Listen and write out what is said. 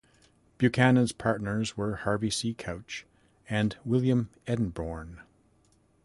Buchanan's partners were Harvey C. Couch and William Edenborn.